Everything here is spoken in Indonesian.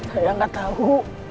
saya gak tau